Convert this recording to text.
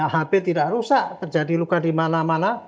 hb tidak rusak terjadi luka di mana mana